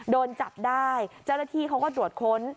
โดนจับได้เจ้าหน้าที่เขาก็ตรวจค้น